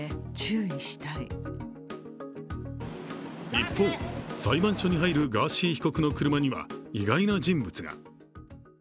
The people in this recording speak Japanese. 一方、裁判所に入るガーシー被告の車には意外な人物が。